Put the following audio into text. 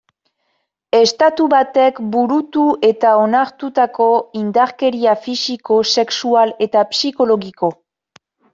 Estatu batek burutu eta onartutako indarkeria fisiko, sexual eta psikologiko.